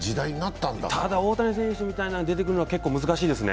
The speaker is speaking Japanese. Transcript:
ただ大谷選手みたいのが出てくるのは難しいですね。